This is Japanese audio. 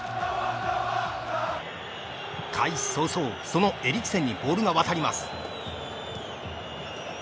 開始早々そのエリクセンにボールがわたります。